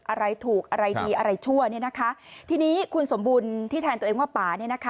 อะไรถูกอะไรดีอะไรชั่วทีนี้คุณสมบุญที่แทนตัวเองว่าป๋า